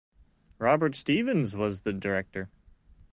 Robert Stevens was the director.